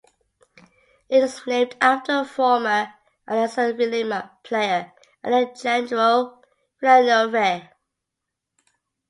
It is named after former Alianza Lima player Alejandro Villanueva.